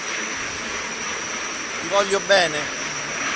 Vi voglio bene!